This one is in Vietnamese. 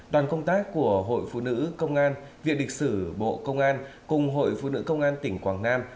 đoàn công tác của hội phụ nữ công an viện lịch sử bộ công an cùng hội phụ nữ công an tỉnh quảng nam